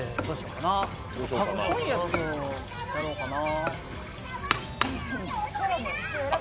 かっこいいやつをやろうかな。